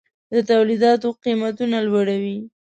د تولیداتو قیمتونه لوړوي.